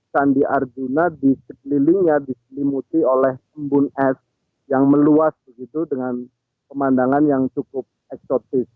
sandi arjuna di sekelilingnya diselimuti oleh embun es yang meluas begitu dengan pemandangan yang cukup eksotis